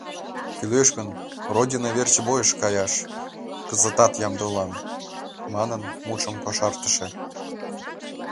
«Кӱлеш лиеш гын, Родина верч бойыш каяш: кызытат ямде улам!» — манын, мутшым кошартыше.